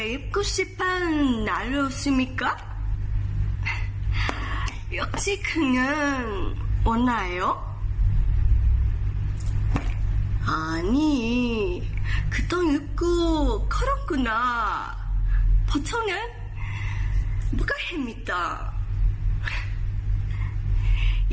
อ่าอันนี้ก็ต้องยุคกับผมกันนะปกติมันไม่มีเหมือนกัน